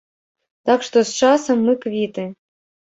Так што з часам мы квіты.